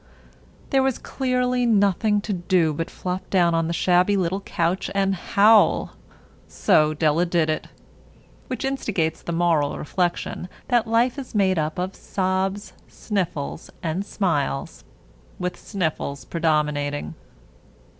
There was clearly nothing to do but flop down on the shabby little couch and howl. So Della did it. Which instigates the moral reflection that life is made up of sobs, sniffles, and smiles, with sniffles predominating.